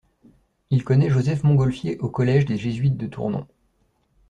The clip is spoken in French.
Il connaît Joseph Montgolfier au collège des Jésuites de Tournon.